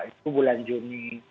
itu bulan juni